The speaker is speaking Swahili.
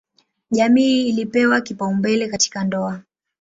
Jamii ilipewa kipaumbele katika ndoa.